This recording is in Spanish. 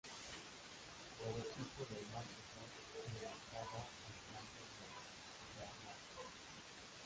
Logotipo de Microsoft en la entrada al Campus de Redmond.